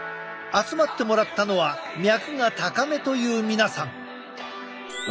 集まってもらったのは脈が高めという皆さん。